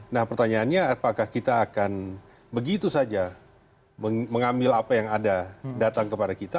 nah pertanyaannya apakah kita akan begitu saja mengambil apa yang ada datang kepada kita